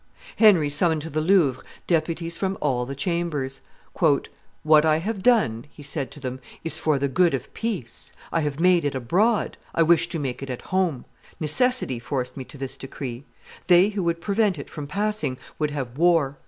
Henry summoned to the Louvre deputies from all the chambers. "What I have done," he said to them, "is for the good of peace. I have made it abroad; I wish to make it at home. Necessity forced me to this decree. They who would prevent it from passing would have war.